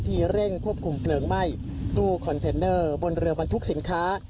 เร่งควบคุมเพลิงไหม้ตู้คอนเทนเนอร์บนเรือบรรทุกสินค้า